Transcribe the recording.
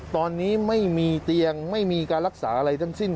ตอนนี้ไม่มีเตียงไม่มีการรักษาอะไรทั้งสิ้น